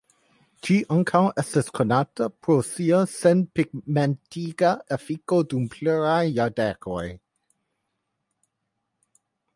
Ĝi ankaŭ estas konata pro sia senpigmentiga efiko dum pluraj jardekoj.